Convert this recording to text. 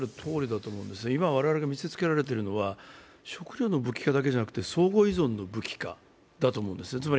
今我々が見せつけられているのは食料の武器化だけではなくて相互依存の武器化だと思うんですね。